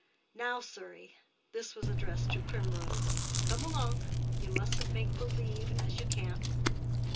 Now, sirrey" (this was addressed to Primrose), "come alonk—you musn't make believe as you can't."